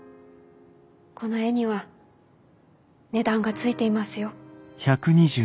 この絵には値段がついていますよ。